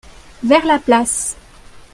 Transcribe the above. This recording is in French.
Vers la place.